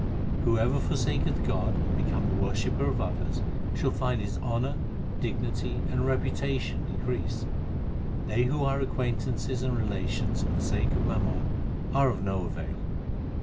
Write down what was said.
Whoever forsaketh God and becometh a worshipper of others, shall find his honour, dignity, and reputation decrease. They who are acquaintances and relations for the sake of mammon are of no avail.